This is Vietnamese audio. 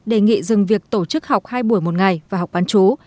đề nghị dừng việc tổ chức học hai buổi một ngày và học bán chú